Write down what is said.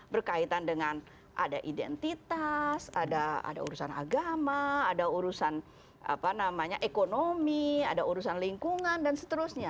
berkaitan dengan ada identitas ada urusan agama ada urusan apa namanya ekonomi ada urusan lingkungan dan seterusnya